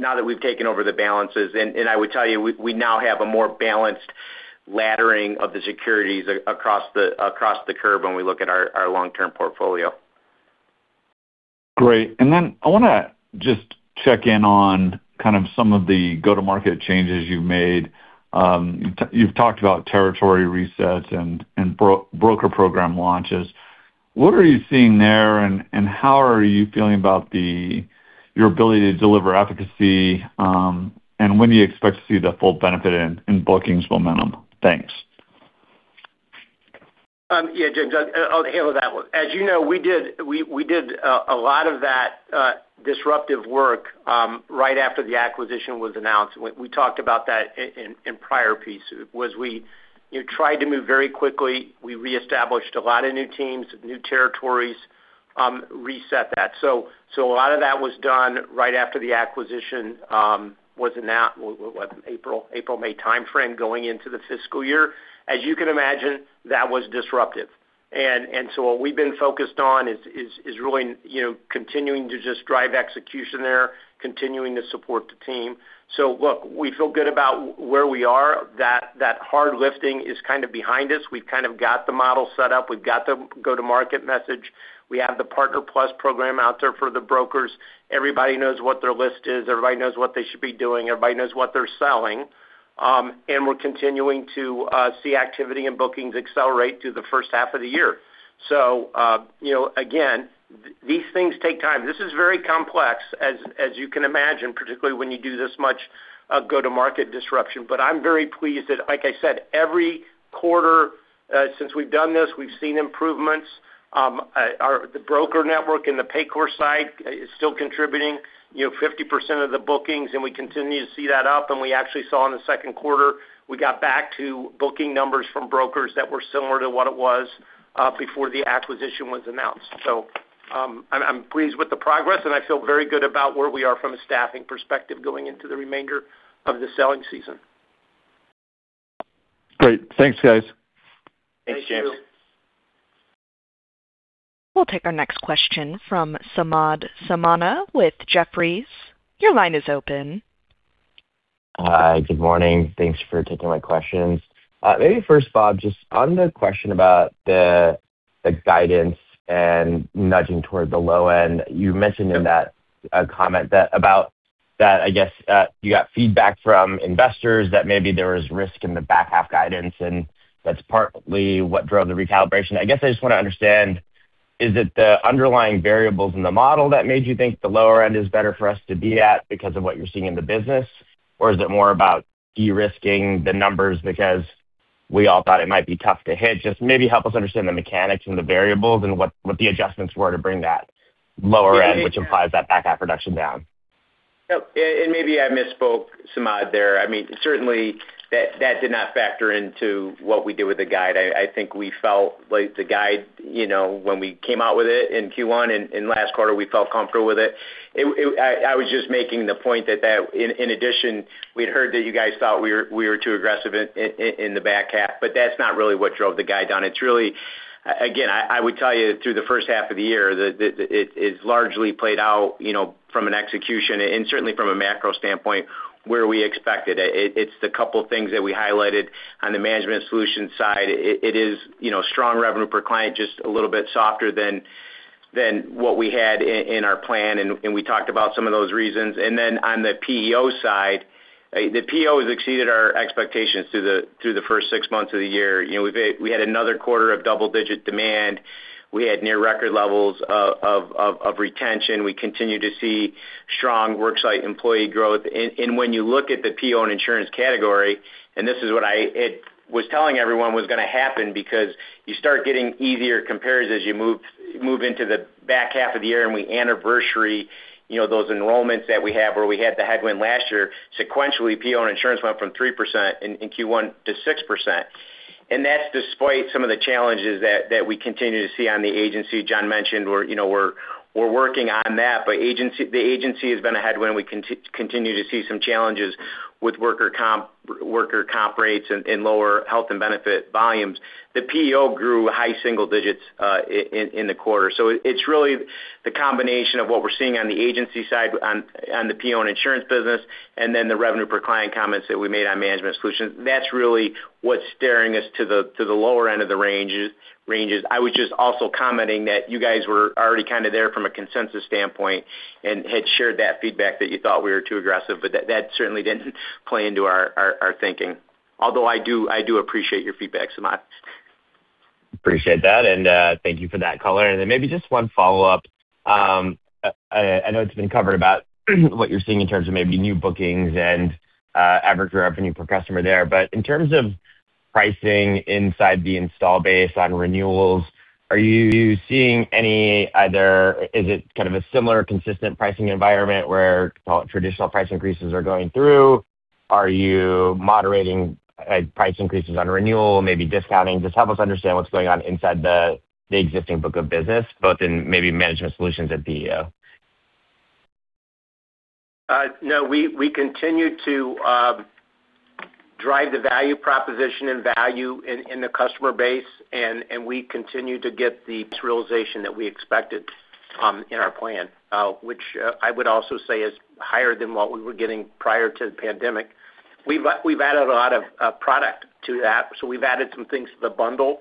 now that we've taken over the balances. I would tell you, we now have a more balanced laddering of the securities across the curve when we look at our long-term portfolio. Great. And then I want to just check in on kind of some of the go-to-market changes you've made. You've talked about territory resets and broker program launches. What are you seeing there, and how are you feeling about your ability to deliver efficacy, and when do you expect to see the full benefit in bookings momentum? Thanks. Yeah, James, I'll handle that one. As you know, we did a lot of that disruptive work right after the acquisition was announced. We talked about that in prior pieces. We tried to move very quickly. We reestablished a lot of new teams, new territories, reset that. So a lot of that was done right after the acquisition was in April, May timeframe going into the fiscal year. As you can imagine, that was disruptive. And so what we've been focused on is really continuing to just drive execution there, continuing to support the team. So look, we feel good about where we are. That hard lifting is kind of behind us. We've kind of got the model set up. We've got the go-to-market message. We have the Partner+ Program out there for the brokers. Everybody knows what their list is. Everybody knows what they should be doing. Everybody knows what they're selling. And we're continuing to see activity in bookings accelerate through the first half of the year. So again, these things take time. This is very complex, as you can imagine, particularly when you do this much go-to-market disruption. But I'm very pleased that, like I said, every quarter since we've done this, we've seen improvements. The broker network and the Paycor side is still contributing 50% of the bookings, and we continue to see that up. And we actually saw in the second quarter, we got back to booking numbers from brokers that were similar to what it was before the acquisition was announced. So I'm pleased with the progress, and I feel very good about where we are from a staffing perspective going into the remainder of the selling season. Great. Thanks, guys. Thanks, James. We'll take our next question from Samad Samana with Jefferies. Your line is open. Hi, good morning. Thanks for taking my questions. Maybe first, Bob, just on the question about the guidance and nudging toward the low end, you mentioned in that comment that, I guess, you got feedback from investors that maybe there was risk in the back half guidance, and that's partly what drove the recalibration. I guess I just want to understand, is it the underlying variables in the model that made you think the lower end is better for us to be at because of what you're seeing in the business, or is it more about de-risking the numbers because we all thought it might be tough to hit? Just maybe help us understand the mechanics and the variables and what the adjustments were to bring that lower end, which implies that back half reduction down? Yep. And maybe I misspoke, Samad, there. I mean, certainly, that did not factor into what we did with the guide. I think we felt like the guide, when we came out with it in Q1 and last quarter, we felt comfortable with it. I was just making the point that, in addition, we'd heard that you guys thought we were too aggressive in the back half, but that's not really what drove the guide down. Again, I would tell you through the first half of the year, it's largely played out from an execution and certainly from a macro standpoint where we expected. It's the couple of things that we highlighted on the management solution side. It is strong revenue per client, just a little bit softer than what we had in our plan, and we talked about some of those reasons. Then on the PEO side, the PEO has exceeded our expectations through the first six months of the year. We had another quarter of double-digit demand. We had near-record levels of retention. We continue to see strong worksite employee growth. When you look at the PEO and Insurance category, this is what I was telling everyone was going to happen because you start getting easier compares as you move into the back half of the year, and we anniversary those enrollments that we have where we had the headwind last year. Sequentially, PEO and Insurance went from 3% in Q1 to 6%. That's despite some of the challenges that we continue to see on the agency. John mentioned we're working on that, but the agency has been a headwind. We continue to see some challenges with workers' comp rates and lower health and benefit volumes. The PEO grew high single digits in the quarter. So it's really the combination of what we're seeing on the agency side on the PEO and Insurance business and then the revenue per client comments that we made on Management Solutions. That's really what's steering us to the lower end of the ranges. I was just also commenting that you guys were already kind of there from a consensus standpoint and had shared that feedback that you thought we were too aggressive, but that certainly didn't play into our thinking. Although I do appreciate your feedback, Samad. Appreciate that. And thank you for that color. And then maybe just one follow-up. I know it's been covered about what you're seeing in terms of maybe new bookings and average revenue per customer there, but in terms of pricing inside the installed base on renewals, are you seeing any either is it kind of a similar consistent pricing environment where traditional price increases are going through? Are you moderating price increases on renewal, maybe discounting? Just help us understand what's going on inside the existing book of business, both in maybe Management Solutions and PEO. No, we continue to drive the value proposition and value in the customer base, and we continue to get the realization that we expected in our plan, which I would also say is higher than what we were getting prior to the pandemic. We've added a lot of product to that, so we've added some things to the bundle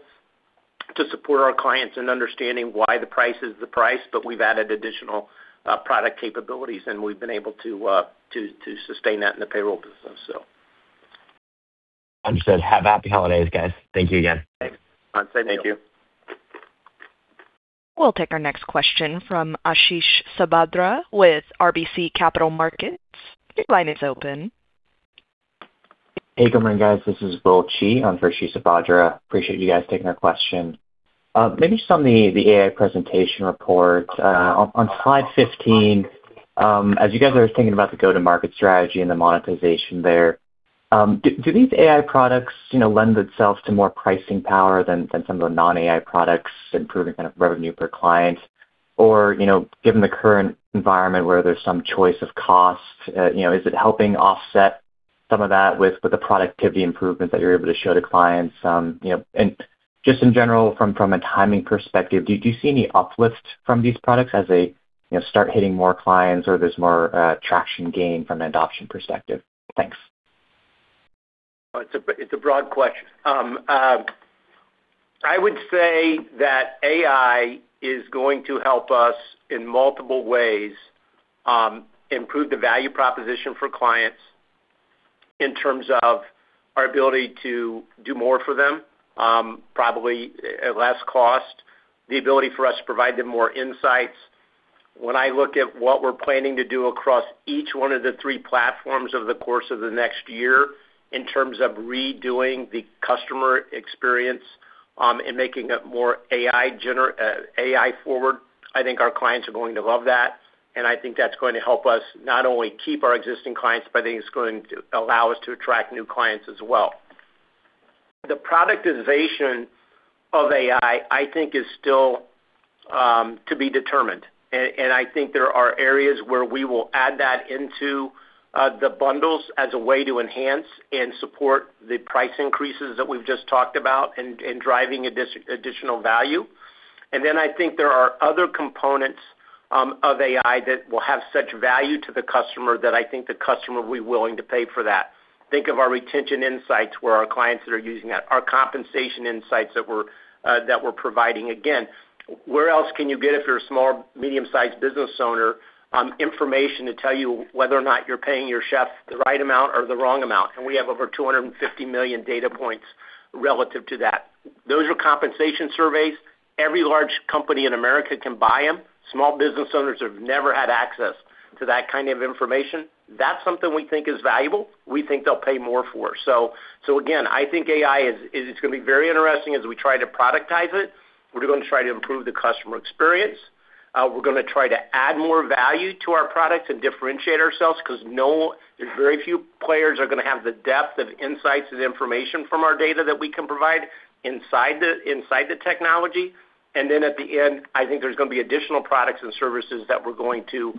to support our clients in understanding why the price is the price, but we've added additional product capabilities, and we've been able to sustain that in the payroll business, so. Understood. Have happy holidays, guys. Thank you again. Thanks. Same to you. We'll take our next question from Ashish Sabadra with RBC Capital Markets. Your line is open. Hey, good morning, guys. This is Will Chiu on for Ashish Sabadra. Appreciate you guys taking our question. Maybe just on the AI presentation report, on slide 15, as you guys are thinking about the go-to-market strategy and the monetization there, do these AI products lend themselves to more pricing power than some of the non-AI products improving kind of revenue per client? Or given the current environment where there's some choice of cost, is it helping offset some of that with the productivity improvements that you're able to show to clients? And just in general, from a timing perspective, do you see any uplift from these products as they start hitting more clients or there's more traction gain from an adoption perspective? Thanks. It's a broad question. I would say that AI is going to help us in multiple ways improve the value proposition for clients in terms of our ability to do more for them, probably at less cost, the ability for us to provide them more insights. When I look at what we're planning to do across each one of the three platforms over the course of the next year in terms of redoing the customer experience and making it more AI-forward, I think our clients are going to love that, and I think that's going to help us not only keep our existing clients, but I think it's going to allow us to attract new clients as well. The productization of AI, I think, is still to be determined. And I think there are areas where we will add that into the bundles as a way to enhance and support the price increases that we've just talked about in driving additional value. And then I think there are other components of AI that will have such value to the customer that I think the customer will be willing to pay for that. Think of our Retention Insights where our clients that are using that, our Compensation Insights that we're providing. Again, where else can you get if you're a small, medium-sized business owner information to tell you whether or not you're paying your chef the right amount or the wrong amount? And we have over 250 million data points relative to that. Those are compensation surveys. Every large company in America can buy them. Small business owners have never had access to that kind of information. That's something we think is valuable. We think they'll pay more for. So again, I think AI is going to be very interesting as we try to productize it. We're going to try to improve the customer experience. We're going to try to add more value to our products and differentiate ourselves because very few players are going to have the depth of insights and information from our data that we can provide inside the technology. And then at the end, I think there's going to be additional products and services that we're going to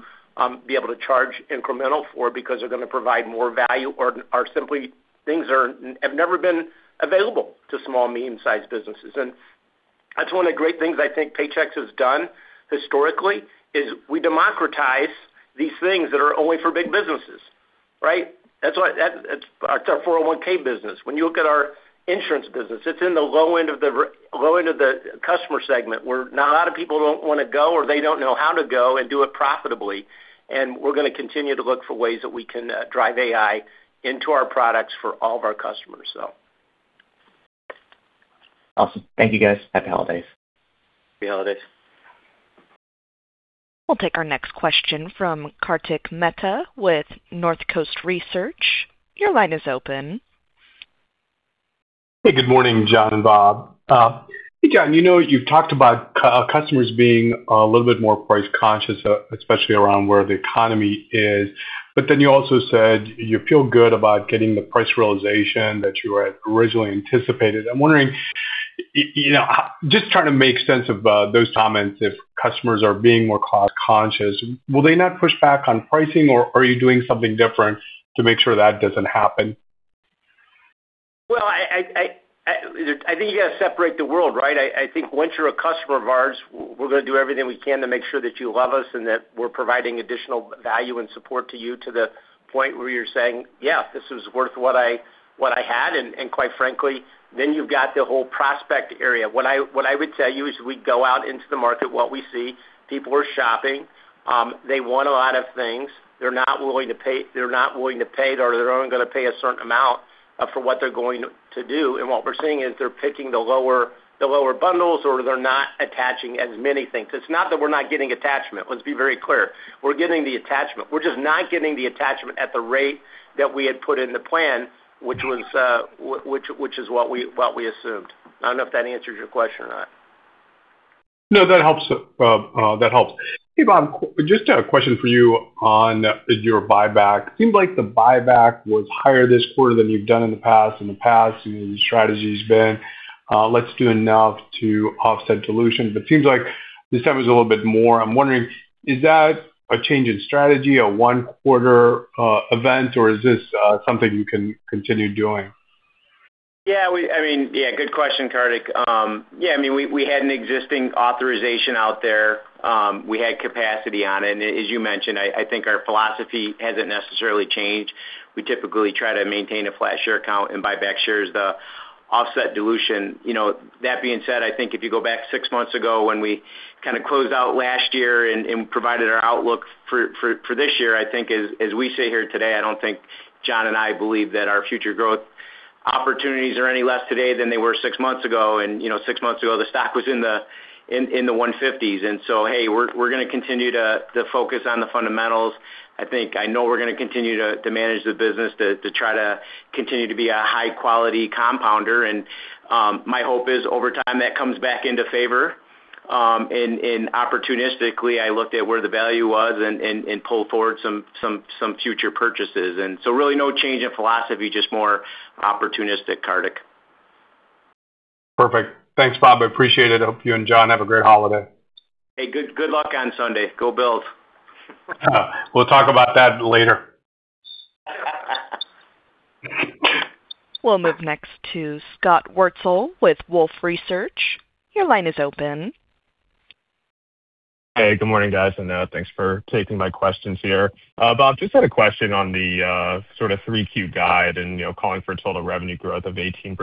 be able to charge incremental for because they're going to provide more value or simply things that have never been available to small, medium-sized businesses. And that's one of the great things I think Paychex has done historically is we democratize these things that are only for big businesses, right? That's our 401(k) business. When you look at our insurance business, it's in the low end of the customer segment where not a lot of people don't want to go or they don't know how to go and do it profitably, and we're going to continue to look for ways that we can drive AI into our products for all of our customers, so. Awesome. Thank you, guys. Happy holidays. Happy holidays. We'll take our next question from Kartik Mehta with Northcoast Research. Your line is open. Hey, good morning, John and Bob. Hey, John, you've talked about customers being a little bit more price-conscious, especially around where the economy is. But then you also said you feel good about getting the price realization that you had originally anticipated. I'm wondering, just trying to make sense of those comments, if customers are being more cost-conscious, will they not push back on pricing, or are you doing something different to make sure that doesn't happen? I think you got to separate the world, right? I think once you're a customer of ours, we're going to do everything we can to make sure that you love us and that we're providing additional value and support to you to the point where you're saying, "Yeah, this was worth what I had." And quite frankly, then you've got the whole prospect area. What I would tell you is we go out into the market, what we see, people are shopping. They want a lot of things. They're not willing to pay. They're not willing to pay, or they're only going to pay a certain amount for what they're going to do. And what we're seeing is they're picking the lower bundles or they're not attaching as many things. It's not that we're not getting attachment. Let's be very clear. We're getting the attachment. We're just not getting the attachment at the rate that we had put in the plan, which is what we assumed. I don't know if that answers your question or not. No, that helps. That helps. Hey, Bob, just a question for you on your buyback. It seems like the buyback was higher this quarter than you've done in the past. In the past, the strategy has been, "Let's do enough to offset dilution." But it seems like this time it was a little bit more. I'm wondering, is that a change in strategy, a one-quarter event, or is this something you can continue doing? Yeah. I mean, yeah, good question, Kartik. Yeah. I mean, we had an existing authorization out there. We had capacity on it. And as you mentioned, I think our philosophy hasn't necessarily changed. We typically try to maintain a flat share count and buy back shares to offset dilution. That being said, I think if you go back six months ago when we kind of closed out last year and provided our outlook for this year, I think as we sit here today, I don't think John and I believe that our future growth opportunities are any less today than they were six months ago. And six months ago, the stock was in the $150s. And so, hey, we're going to continue to focus on the fundamentals. I think, you know, we're going to continue to manage the business to try to continue to be a high-quality compounder. My hope is over time that comes back into favor. Opportunistically, I looked at where the value was and pulled forward some future purchases. So really no change in philosophy, just more opportunistic, Kartik. Perfect. Thanks, Bob. I appreciate it. Hope you and John have a great holiday. Hey, good luck on Sunday. Go Bills. We'll talk about that later. We'll move next to Scott Wurtzel with Wolfe Research. Your line is open. Hey, good morning, guys. And thanks for taking my questions here. Bob, just had a question on the sort of 3Q guide and calling for a total revenue growth of 18%.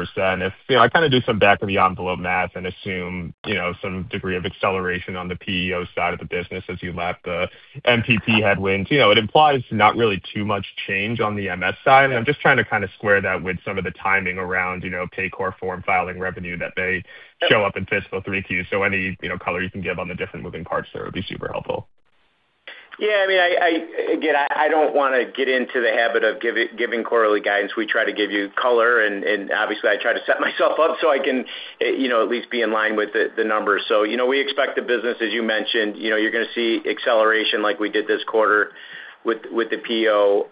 I kind of do some back-of-the-envelope math and assume some degree of acceleration on the PEO side of the business as you lap the MPP headwinds. It implies not really too much change on the MS side. And I'm just trying to kind of square that with some of the timing around Paycor form filing revenue that may show up in fiscal 3Q. So any color you can give on the different moving parts there would be super helpful. Yeah. I mean, again, I don't want to get into the habit of giving quarterly guidance. We try to give you color. And obviously, I try to set myself up so I can at least be in line with the numbers. So we expect the business, as you mentioned, you're going to see acceleration like we did this quarter with the PEO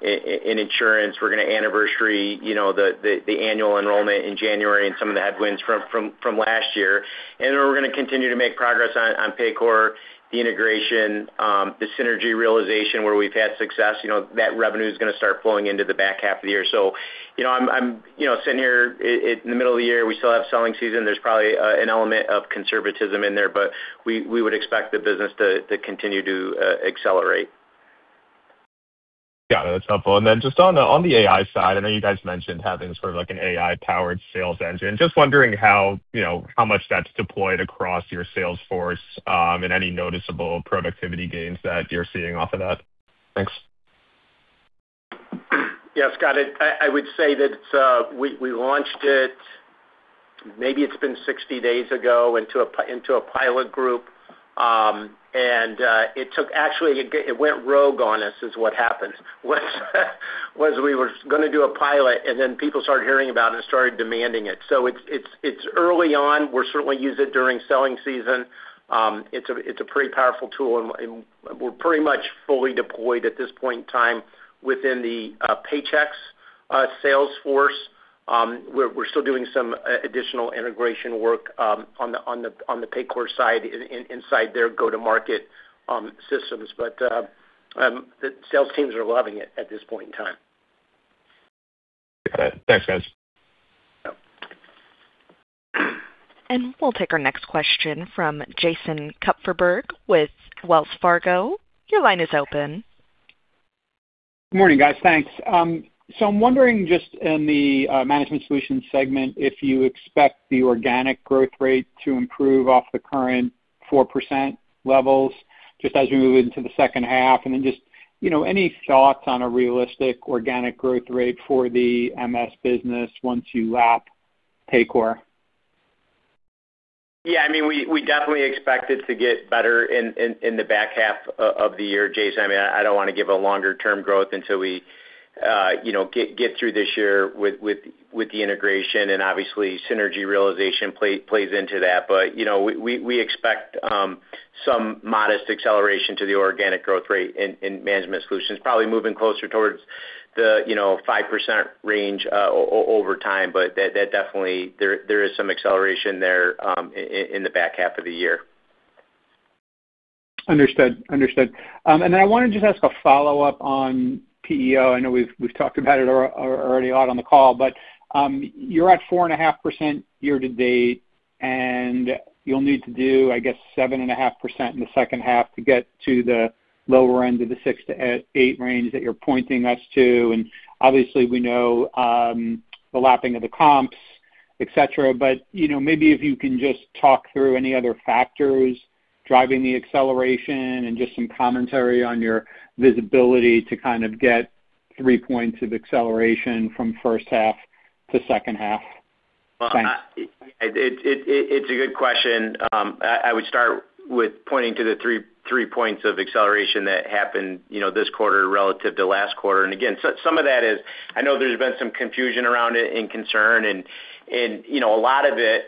in insurance. We're going to anniversary the annual enrollment in January and some of the headwinds from last year. And we're going to continue to make progress on Paycor, the integration, the synergy realization where we've had success. That revenue is going to start flowing into the back half of the year. So I'm sitting here in the middle of the year. We still have selling season. There's probably an element of conservatism in there, but we would expect the business to continue to accelerate. Got it. That's helpful. And then just on the AI side, I know you guys mentioned having sort of an AI-powered sales engine. Just wondering how much that's deployed across your sales force and any noticeable productivity gains that you're seeing off of that? Thanks. Yes, got it. I would say that we launched it, maybe it's been 60 days ago, into a pilot group, and it took actually, it went rogue on us is what happened. We were going to do a pilot, and then people started hearing about it and started demanding it, so it's early on. We're certainly using it during selling season. It's a pretty powerful tool, and we're pretty much fully deployed at this point in time within the Paychex sales force. We're still doing some additional integration work on the Paycor side inside their go-to-market systems, but the sales teams are loving it at this point in time. Thanks, guys. We'll take our next question from Jason Kupferberg with Wells Fargo. Your line is open. Good morning, guys. Thanks. So I'm wondering just in the Management Solutions segment if you expect the organic growth rate to improve off the current 4% levels just as we move into the second half? And then just any thoughts on a realistic organic growth rate for the MS business once you lap Paycor? Yeah. I mean, we definitely expect it to get better in the back half of the year. Jason, I mean, I don't want to give a longer-term growth until we get through this year with the integration, and obviously, synergy realization plays into that. But we expect some modest acceleration to the organic growth rate in Management Solutions, probably moving closer towards the 5% range over time, but definitely, there is some acceleration there in the back half of the year. Understood. Understood. And then I wanted to just ask a follow-up on PEO. I know we've talked about it already a lot on the call, but you're at 4.5% year to date, and you'll need to do, I guess, 7.5% in the second half to get to the lower end of the 6%-8% range that you're pointing us to. And obviously, we know the lapping of the comps, etc. But maybe if you can just talk through any other factors driving the acceleration and just some commentary on your visibility to kind of get three points of acceleration from first half to second half. Thanks. It's a good question. I would start with pointing to the three points of acceleration that happened this quarter relative to last quarter. And again, some of that is I know there's been some confusion around it and concern. And a lot of it,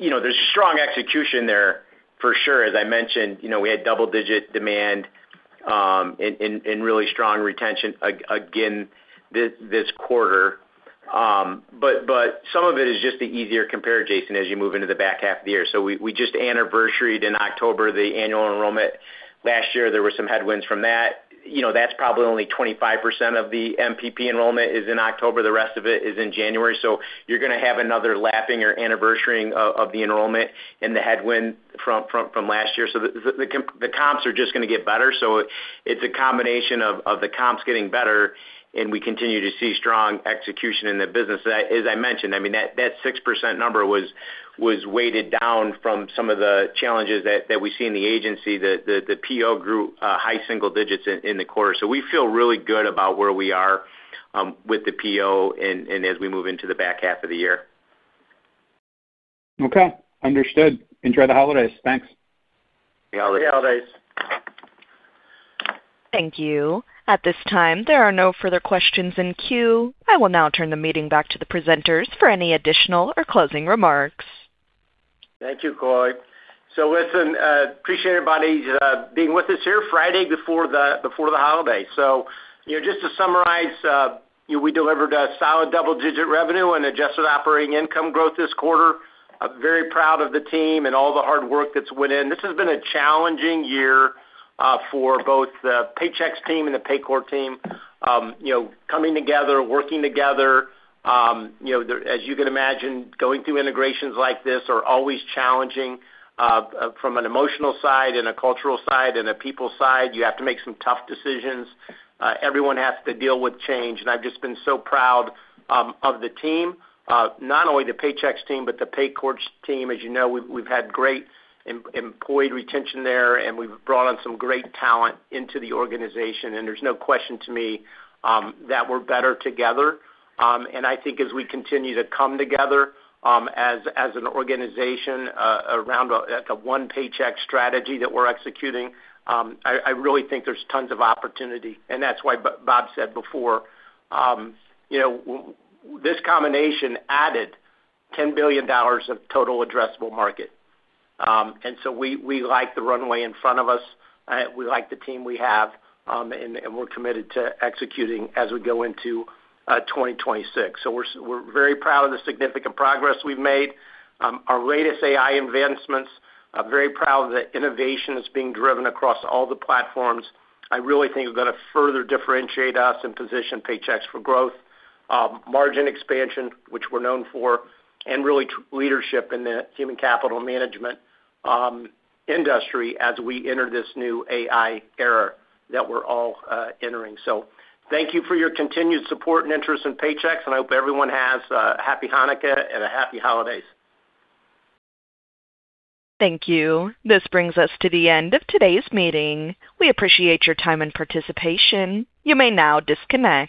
there's strong execution there for sure. As I mentioned, we had double-digit demand and really strong retention again this quarter. But some of it is just the easier comps, Jason, as you move into the back half of the year. So we just anniversaried in October the annual enrollment. Last year, there were some headwinds from that. That's probably only 25% of the MPP enrollment is in October. The rest of it is in January. So you're going to have another lapping or anniversarying of the enrollment and the headwind from last year. So the comps are just going to get better. So it's a combination of the comps getting better, and we continue to see strong execution in the business. As I mentioned, I mean, that 6% number was weighted down from some of the challenges that we see in the agency. The PEO grew high single digits in the quarter. So we feel really good about where we are with the PEO and as we move into the back half of the year. Okay. Understood. Enjoy the holidays. Thanks. Happy holidays. Thank you. At this time, there are no further questions in queue. I will now turn the meeting back to the presenters for any additional or closing remarks. Thank you, Claude, so listen, appreciate everybody being with us here Friday before the holiday, so just to summarize, we delivered a solid double-digit revenue and adjusted operating income growth this quarter. Very proud of the team and all the hard work that's went in. This has been a challenging year for both the Paychex team and the Paycor team. Coming together, working together, as you can imagine, going through integrations like this are always challenging from an emotional side and a cultural side and a people side. You have to make some tough decisions. Everyone has to deal with change, and I've just been so proud of the team, not only the Paychex team, but the Paycor team. As you know, we've had great employee retention there, and we've brought on some great talent into the organization, and there's no question to me that we're better together. And I think as we continue to come together as an organization around a one Paychex strategy that we're executing, I really think there's tons of opportunity. And that's why Bob said before, this combination added $10 billion of total addressable market. And so we like the runway in front of us. We like the team we have, and we're committed to executing as we go into 2026. So we're very proud of the significant progress we've made. Our latest AI advancements, very proud of the innovation that's being driven across all the platforms. I really think it's going to further differentiate us and position Paychex for growth, margin expansion, which we're known for, and really leadership in the Human Capital Management industry as we enter this new AI era that we're all entering. So thank you for your continued support and interest in Paychex. I hope everyone has a happy Hanukkah and a happy holidays. Thank you. This brings us to the end of today's meeting. We appreciate your time and participation. You may now disconnect.